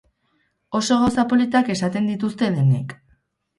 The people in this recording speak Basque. Oso gauza politak esaten dituzte denek.